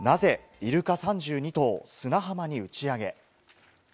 イルカ３２頭、砂浜に打ち上げ。